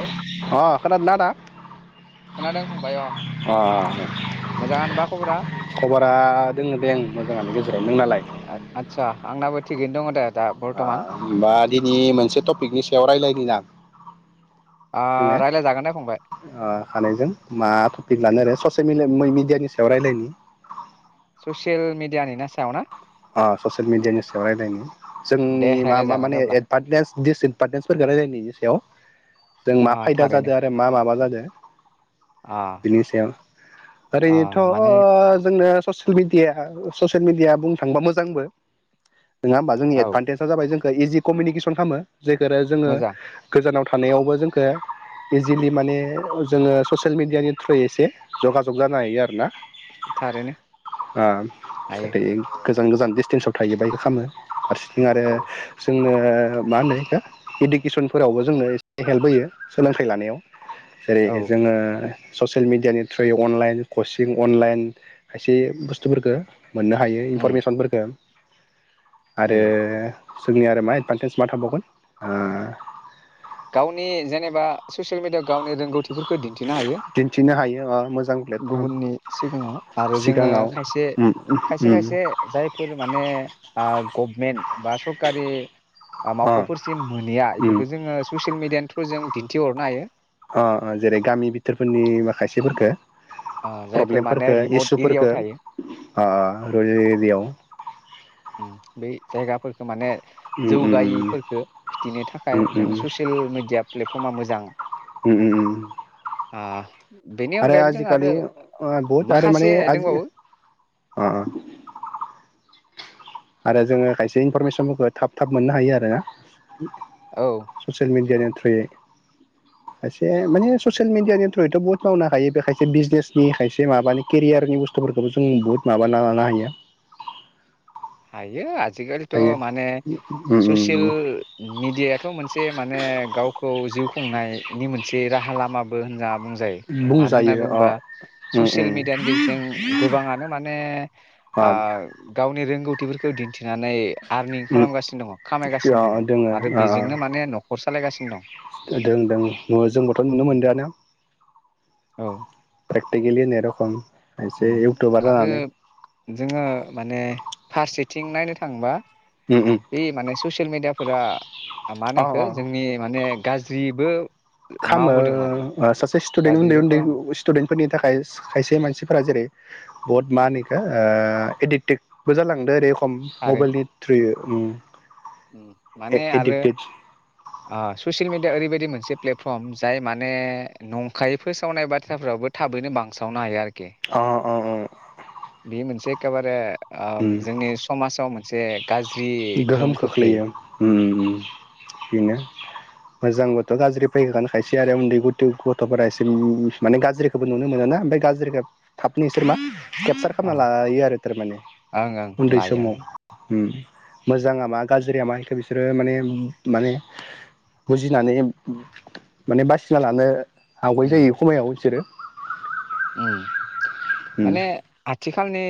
औ अह खोनादोना आदा? खोनादों फंबाय अ अह मोजाङानोबा खबरा खबरा दोङोदे उम मोजाङानो गेजेराव नोंनालाय? आदसा आंनाबो थिगैनो दङ दे। दा ओ बर्थमान होमबा दिनै मोनसे टपिकनि सायाव रायलायनि ना? जोङो रायज्लायजागोन दे फंबाय ओ खानैजों मा टपिक लानो आरो ससेल मिडियानि मै मिडियानि सायाव रायलायनि। ससियेल मिडियानिना सायाव ना? अह ससियेल मिडियानि सायाव रायलायनि दे जोंनि मा मा रायज्लायजागोन दे माने अब्ला एदभानटेज दिसएदभानटेजफोरखौ रायलायनायनि इनि सायाव जों मा अ फायदा थारैनो जादो आरो मा माबा जादो [inaudible] अ बेनि सायाव। अ ओरैनोथ' माने जोंनो ससियेल मेडियाहा ससियेल मेडिया बुं थांबा मोजांबो। नङा होमबा जोंनि औ एडभान्टेजआ जाबाय जोंखो दायो जि क'म्युनिकेस'न खालामो जायखो रे जोंङो मोजां गोजानाव थानायावबो जोंखो इजिलि माने जोङो ससियेल मिेडियानि थ्रुयै एसे जगाजग जानो हायो आरो ना। थारैनो ओ हायो गोजान गोजान डिस्टेन्सआव थायो बायदि खालामो हारस सिं आरो औ जोंनो ओ मा होनो एखो इडुकेसनफोरावबो जोंनो एसे हेल्प होयो सोलोंथाइ लानायाव। जेरै औ जोङो ससियेल मिडियानि थ्रुयै अनलाइन कचिं अनलाइन खायसे बुस्थुफोरखौ मोननो हायो। उम फरमेसनफोरखो आरो उम जोंनिया आरो मा एडभान्टेज मा थाबावगोन ओ गावनि जेनेबा ससियेल मिडियाआव गावनि रोंगौथिफोर खो दिन्थिनो हायो दिन्थिनो हायो ओ मोजां प्लेटफर्म गुबुननि सिगाङाव आरो जोङो सिगाङाव खायसे उम खायसे उम खायसे जायफोर माने ओ गभमेन्ट बा सरकारि ओ अ मावख'फोरसिम मोनहैया उम बेफोरखौ जोङो ससियेल मिडियानि थ्रुयै जों दिन्थिहरनो हायो। अ अ जेरै गामि बिथोरफोरनि माखासेफोरखो ओ जायफोर माने प्रब्लेमफोरखो रिमट एरियायाव इसुफोरखो थायो ओ रुरेल एरियायाव उम बै जायगाफोरखौ माने उम उम जौगायैफोरखो खिथिनो उम थाखाय जोङो ससियेल मिडिया प्लेट फ्रमा मोजां। उम उम उम ओ बेनि अनगायैबो जोंहा बे ओ बुहुत आरो माने आजि अ अ आरो जोङो खायसे इनफरमेसनफोरखौ थाब थाब मोननो हायो आरो। औ ससियेल मिडियानि हायो थ्रुयै खायसे माने ससियेल मिडियानि थ्रुयैथ' बुहुत मावनो हायो बे खायसे बिजनेसनि खायसे माबानि केरियारनि बुस्थुफोरखौबो जों बुहुत माबाना लानो हायो। हायो आज जिखालिथ' हायो माने उम ससियेल उम मिडियाथ' मोनसे माने गाव खौ जिउ खुंनायनि मोनसे राहा लामाबो होनना बुंजायो उम मानो होननानै बुंजायो अ बुंबा उम ससियेल उम मिडियानि गेजेरजों गोबाङानो माने अ गावनि रों थिफोरखौ दिन थिनानै आरनिं उम खालामगासिनो दङ खामायगासिनो दङ अ दोङो आरो अ बेजोंनो माने न'खर सालायगासिनो दं। दों दों जोंबोथ' नुनो दं मोनदोंआनो। औ प्रेक्टिकेलि होननाय रखम। खायसे उम इउटुबार आरो जानानै जोङो माने फारसेथिं नायनो थाङोबा उम उम बे माने स ससियेल मिडियाफोरा मा अ होनो इखो अ जोंनि माने गाज्रिबो खामो मावहोदों माने सासे स्टुदेन्ट उन्दै गाज्रिबो उन्दै खालामो स्टुदेन्टफोरनि थाखाय खायसे मानसि फोरा जेरै बुहुत मा होनो इखो ओ एडिक्टेक बो जालांदो ओरै खम ओरो मबाइलनि थ्रुयै उम माने आरो एडिक्टेड ओ ससियेल मिडिया ओरैबायदि बादि मोनसे प्लेटफर्म जाय माने नंखायै फोसावनाय बाथ्राफ्राबो थाबैनो बांसावनो हायो आरो। अ अ बे मोनसे एखेबारे ओ उम जोंनि समाजाव मोनसे गाज्रि [inaudible] गोहोम खोख्लैयो उम बेनो मोजांबोथ' गाज्रि फैखागोन आरो खायसे आरो उन्दै गथै गथ'फोरा एसे माने गाज्रिखौबो नुनो मोन ना ओमफ्राय गाज्रिखौ थाबनो बिसोर मा केपसार अ खालामना लायो आरो थारमाने। ओं ओं उन्दै लायो ओं समाव उम मोजाङा मा गाज्रिया मा बेखौ बिसोरो माने माने बुजिनानै माने बासिना लानो आवगाय उम जायो खमायाव बिसोरो उम उम माने [unintelligible] आथिखालनि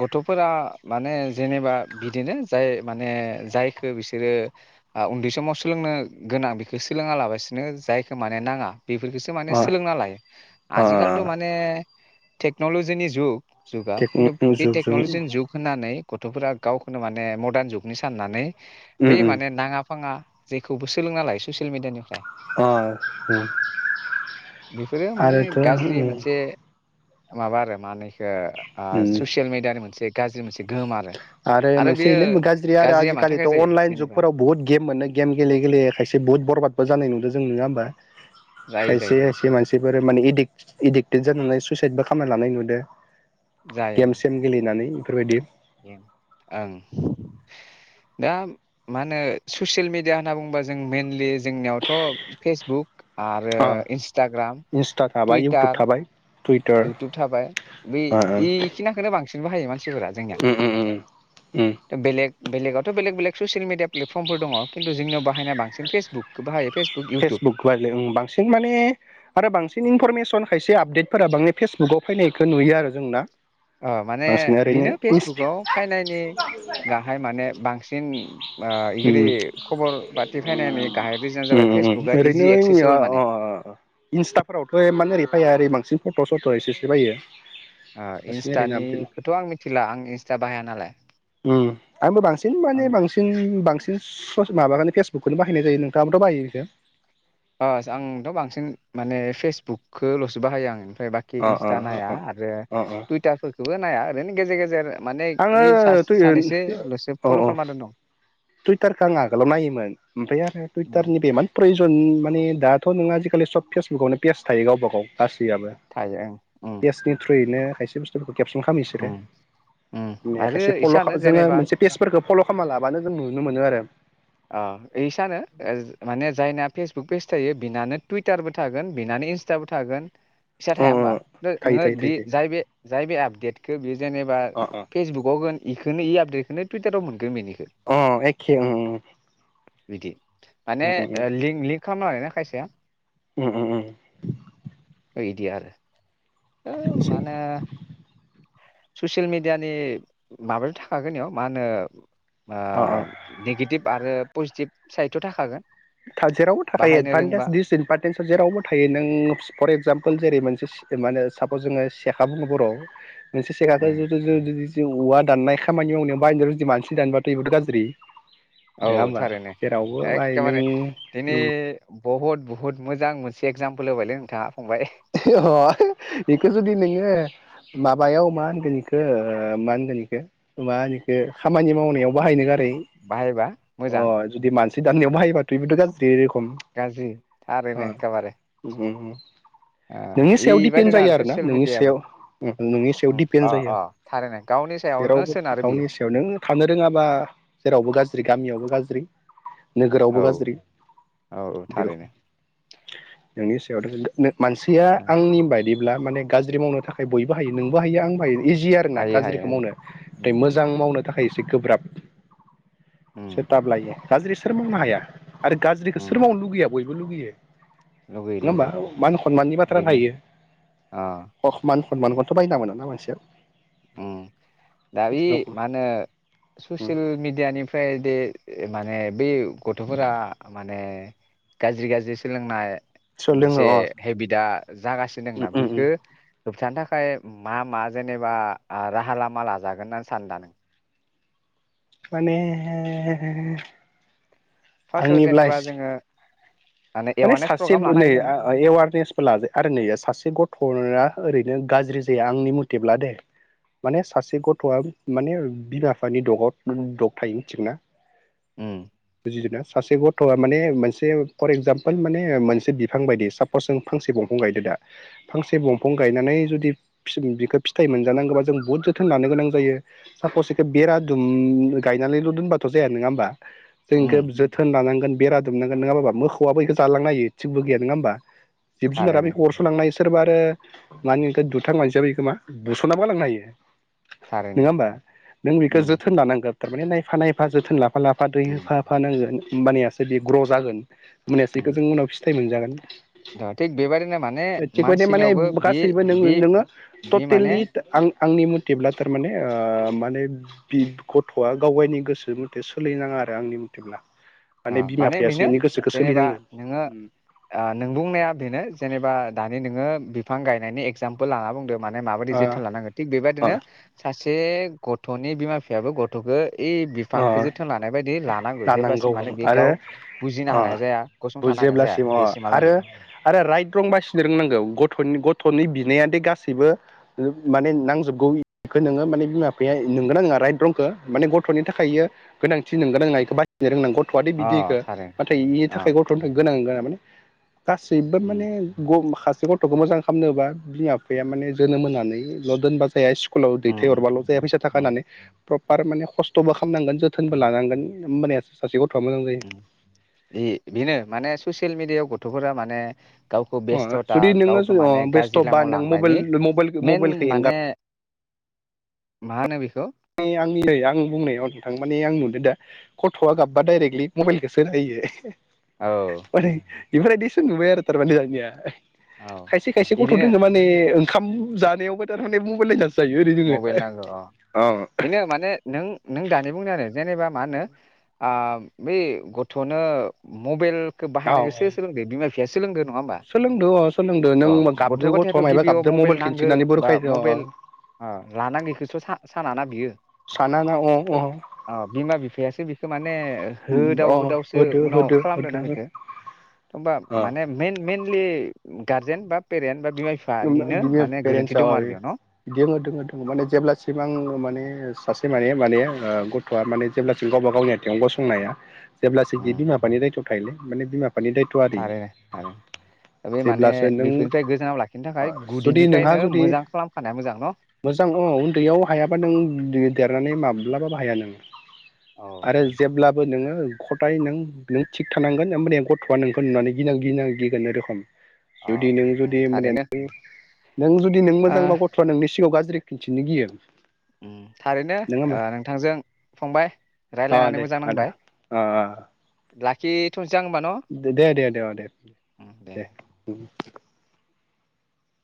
गथ'फोरा माने जेनेबा बिदिनो जाय माने जायखो बिसोरो आ उन्दै समाव सोलोंनो गोनां बेखौ सोलोङालाबसिनो जायखौ माने नाङा बेफोरखोसो माने अ सोलोंना लायो अ आजिखालि [unintelligible] टेक्नलजि नि जुग। जुगा टेक खिन्थु बे जुगजों टेक्न'लजिनि जुग होनानै गथ'फोरा गावखौनो माने मडार्न जुगनि साननानै उम बै उम माने नाङा फाङा जेखौबो सोलोंना लाय ससियेल मिडियानि अ ओ आरोथ' जि उम मोनसे माबा आरो मानो इखो ओ आ ससियेल मिडियानि मोनसे गाज्रि मोनसे गोहोम आरो आरो मोनसेनो गाज्रि आरो गाज्रिया मानि थाखाय आजिखालिथ' जायो अनलाइन जेनेबा जुगफोराव बहुत गेम मोनो गेम गेलेै गेलेय खायसे बुहुत बरबादबो जानाय नुदों जो नोङा ओमबा? जायो खायसे जायो खायसे मानसि [unintelligible] माने एदिक्टेड जानानै सुइसाइदबो खामना लानाय नुदो। गेम जायो सेम गेलेनानै। बेफोरबायदि ओं दा मा होनो ससियेल मिडिया होनना बुंङोबा जों मइेनलि जोंनियावथ' फेसबुक आरो इन्सटाग्राम इन्सटा थाबाय इउटुब टुइटार थाबाय टुइटार इउटुब थाबाय बै इखिनाखोनो बांसिन बाहायो मानसिफोरा जोंनिया बेलेग बेलेगाथ बेले बेलग ससियेल मिडिया प्लेफर्मफोर दङ खिन्थु जोंनि बायनाय बांसिन फेसबुकखौ बाहायो फेसबुक इउटुब फेसबुक बांसिन माने आरो बांसिन इनफरमेसन खायसे आपडेटफोरा बांङै फेसबुकाव फैनायखौ नुयो आरो जोंना ओ माने बांसिन बेनो ओरैनो फेसबुकआव फैनायनि गाहाय माने बांसिन ओ इगददि खबर बाथि फैनायनि गाहाय रिजन जाबाय उम उम फेसबुकआ ओरैनो इजि जंनिया एक्सेसिबोल माने इन्स्टाफोरावथ' एमान ओरै फैया ओरै बांसिन फट' सथ' एसेसो फायो ओ ओरै बिदिनो इन्स्टानिखौथ' आं मिथिला आं इन्स्टा बाहाया नालाय आंबो बांसिन आं माने बांसिन बांसिन माबाखौनो फेसबुकखौनो बाहायनाय जायो नोंथाङाबोथ' बाहायो। खो ओस आंथ' बांसिन माने फेसबुकखल'सो बाहायो आं। ओमफ्राय बाखि अ इनस्टा अ नाया अ आरो अ अ टुइटार फोरखौबो नाया। बिनो गेजेर गेजेर माने ऐ आङो सानैसोल'सो औ फल' औ खालामनानै दनदं टुइटारखौ आं आगोलाव नायोमोन ओमफ्राय आरो टुइटारनिबो एमान जन माने दाथ' नोङो आजिखालि सब फेसबुकावनो पेज थायो गावबा गाव गास याबो थायो ओं उम पेसनि थ्रुयैनो खायसे बुस्थुफोरखौ केबसन खालामो बिसोरो उम उम आरो खायसे इसा फल' होनो जोङो जेनेबा मोनसे पेसफोरखौ फल' खालामना लाबानो नुनो मोनो आरो अ इसानो माने जायना फेसबु पेसबुक पेज थायो बिनानो टुइटार बबो थागोन बिनानो इन्स्टाबो थागोन फिसा अ थाया होमबा थायो नोङो थायो थायो बे जाय बे जाय बे आब गेटखौ बेयो जेनेबा थायो फेसबुकआवगोन इखोनो इ आपडेटखोनो टुइटाराव मोनो अ एखे उम उम बिदि माने लिं लिं खालामना लायाना खायसेया उम उम उम बे बिदि आरो औ मा होनो? ससियेल मिडियानि माबाथ' थाखागोननियाव मा होनो अ ओ नेगेटिभ आरो पजिटिभ साइडथ' थाखागोन जेरावबो थाखायायो बाहायनो एडभान्टेज रोंबा दिडिसएदभान्टेज जेरावबो थायो नों फर एक्जामपोल जेरै मोनसे जेनबा मानो सापज जोङो सेखा बुङो बर'आव मोनसे सेखाखो उम जुदि जों जुद औवा दाननाय खामानि मावनायाव बाहायो जुदि मानसि दानबाथ' बेबो गाज्रि नङा होमबा जेरावबो बाहाय नों बारे दिनै बहुत बहुत मोजां मोन एगजामपोल होबायलै नोंथाङा फंबाय अ बेखौ जुदि नोङो माबायाव मा होनगोन इखो ओ मा होनगोन इखौ मा होनो इखो खामानि मावनायाव बाहायनो गार नै बाहायबा अ मोजां जुदि मानसि दाननायाव बाहाय बेबोथ' गाज्रि रोखम गाज्रि अ थारैनो एखेबारे ओ नोंनि सायाव डिपेन्ड इबायदिनो जायो आरो ना ससियेल नोंनि मिडियाबो सायाव नोंनि सायाव उम डिपेन्ड अ जायो अ थारैनो गावनि सायावनो जेरावबो सोनारो बियो गावनि सायाव नों थानो रोङाबा जेरावबो गाज्रि गामियावबो गाज्रि। नोगोरावबो औ गाज्रि औ औ बि थारैनो रखम नोंनि सायावथ' नो मानसिया ओं आंनि बायदि ब्ला माने गाज्रि मावनो थाखाय बयबो हायो नोंबो हायो आंबो हायो इजि आरो ना हायो हायो गाज्रिखौ मावनो थाय ओं मोजां मावनो थाखा खायसे गोब्राब उम सोर थाब लायो गाज्रि सोर मावनो उम हाया उम आरो गाज्रिखौ उम सोर मावनो लुगैया बयब बोलुगोयो। लुगैयो लुगैयो। खनमाननि बाथ्रा बेनो अ थायो। खनमानखौथ' बायना मोना ना मानसिया उम दा बि मोनसे रावखौ मा होनो ससियेल मिडियानिफ्राय दे माने बै गथ'फोरा माने गाज्रि गाज्रि सोलोंनाय सोर लोङो मोनसे अ हेबिटआ जागासिनो उम दंना उम उम बेखौ होबथानो थाखाय मा मा जेनेबा आ‌ राहा लामा लाजागोन होननानै सानदा नों? माने फार्स्टआव आंनिब्ला जेनेबा जोङो माने एवारनेस सासे प्रग्राम लानो नै हायो जोङो एवारनेसबो लाजाया आरो नै सासे गथ'ना ओरै नो गाज्रि जाया आंनि मथेब्ला दे माने सासे गथ'आ माने बिमा बिफानि द'गाव द'ग थायो मोनथिगोना? उम। बुजिदोंना सासे गथ'आ माने मोनसे फर एक्जामप ल माने मोनसे बिफां बायदि सापस जों फांसे दंफां गायदो दा फांसे दंफां गायनानै जुदि बिखौ फिथाइ मोनजानांगौबा जों बुहुद जोथोन लानो गोनां जायो सापस बेखौ बेरा दुम गायनानैल' दोनबाथ' जाया नङा होमबा? उम जोंखौ जोथोन लानांग बेरा दुमनांगोन नङाबाबा मोखौआबो बेखो जालांनो हायो थिगबो गैया नङा होमबा? जिब जुनारा थारैनो बेखौ अरस' लांनायस सोरबा आरो मानि इखो दुथां मानसियाबो इखो मा बुस'नाबो गालांनो हायो। थारैनो नङा होमबा नों बेखौ उम जोथोन लानांगोन थारमाने नायफा नायफा जोथोन ला लाफा लाफा दै उम होफा होफानांगोन ओमबानियासो बि ग्र' जागोन। बेखो उम जों उनाव फिथाइ मोनजागोन दा थिग बेबायदिनो माने थिग बदि माने मानसिनियावबो बे गासैबो बे नोङो बे माने टटेलि आं आंनि मथेब्ला थारमाने ओ माने गथ'आ गाव गावनि गोसो मथे सोलिनाङा आरो आंनि मथेब्ला माने बिमा बिफायासो बेनो बिनि गोसोखौ जेनेबा सोलिनांगोन नोङो ओ नों बुंनाया बेनो जेनेबा दानि नोङो बिफां गायनायनि एक्जाम्पोल लाना बुंदों माने माबायदि ओ जोथोन लानांगोन थिग ओ बेबायदिनो सासे बे गथ'नि बिमा बिफायाबो गथ'खो ए बिफांखौ जोथोन लानाय बायदि लानांगौ जेब्ला औ आरो अ गसंथानो हानाय जाया बुजेब्लासिम अ आरो बेसिमहालागै आरो राइट रं बासिनो रोंनांगौ गथ'नि गथ'नि बिनाया दि गासैबो माने नांजोबगौ खो नोङो माने बिमा बिफाया नोंगोना नङा राइट रंखो माने गथ गथ'नि थाखायो गोनांथि नोंगौ ना नङा इखो बासिनो रोंनांगौ गथ'आदि अ बिदिखो थारैनो नाथाय इनि थाखाय अ गथ'नो गोनां गोन माने गासैबो उम माने गम माखासे गथ'खौ मोजां खालामनोबा बिमा बिफाया माने जोनोम होनानैल' दोनबा जाया सु स्कुलाव उम उम दैथायहरबाल' जाया फैसा थाखा उम होननानै प्रफार माने खस थबा खामनांगोन जोथोनबो उम लानांगोन होमबानिस उम बे बेनो माने ससियेल मिडियायाव गथ' थ'फोरा माने गावखौ अ बेस्थ'था जुदि नोङो गावखौ माने अ बेस्थ' गाज्रि बा लामायाव नों मबाइल लांनायनि मबाइल मइेन मबाइलखौ माने एंगारनाय मा होनो बिखौ आं नै आं बुंनायाव नोंथां माने आं नुदों दा गथ'आ गाबबा डाइरेक्टलि मबाइलखौसो होयो। [unintelligible] औ बेफोरबायदिसो नुबाय आरो थारमाने दानिया। औ खायसे खायसे गथ' इदिनो दङ माने ओंखाम जानायावबो थारमाने मबाइल [unintelligible] जायो ओरै दोङो। मबाइल नांगौ अ बेनो माने नों नों दानि बुंदों आरो जेनेबा मा होनो आ बै गथ'नो मबेल [unintelligible] बाहायनाय खो औ सोर सोलोंदो बिमा बिफाया सोलोंदो नङा होमबा सोलोंदो अ सोलोंदो नों अ गथ' गाबदो गथायाथ' गथ'आ मायबा गिबियाव गाबदो मबाइल नांगो खिन्थिनानै बा बोरोखायदो अ। मबाइल [unintelligible] सानाना बियो। साना ना अ अ [unintelligible] अ बिमा बिफायासो [unintelligible] [unintelligible] होदाव अ होदावसो होदो उनाव होदो होदो खालामदोंना बेखौ होनबा अ माने मेइन मेइनलि गारजेन बा पेरेन बा बिमा बिफानिनो माने गोरोन्थि दं आरो बेयाव न'। दङो दोङ दङ माने जेब्लासिम आङ माने सासे माने माने गथ'आ माने जेब्लासिम गावबा गावनि आथिंआव गसंनाया जेब्लासो उम बिमा बिफानि दायथ'आव थायो। माने बिमा [unintelligible] आरि थारैनो थारैनो बे माने जेब्लासो नों बेफोरनिफ्राय गोजानाव लाखि [unintelligible] जुदि नोंहा जुदि मोजां न'? मोजां औ उन्दैयाव हायाबा नों देरनानै [unintelligible] माब्लाबा बाहाया नो औ [unintelligible] आरो जेब्लाबो नोङो [unintelligible] गथाय नों नों थिग थानांगोन होमबानि गथ'आ नोंखौ नुनानै गि -गिनां गिगोन रोखम [unintelligible] औ जुदि नों उम जुदि माने थारैनो [unintelligible] नों जुदि नों ओ मोजांबा गथ'आ नोंनि सिगाङाव गाज्रि खिन्थिनो गियो। ओम थारैनो नङा होमबा ओ नोंथांजों फंबाय अ रायज्लायनानै दे मोजां आदा नांबाय अ [unintelligible] [unintelligible] न' दे दे दे अ दे दे ओम।